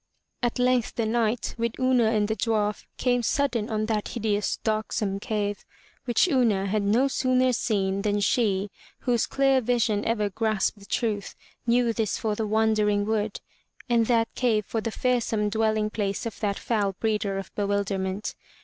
At length the Knight, with Una and the dwarf, came sudden on that hideous, darksome cave, which Una had no sooner seen, than she, whose clear vision ever grasped the truth, knew this for the Wandering Wood and that cave for the fearsome dwelling place of that foul breeder of bewilderment.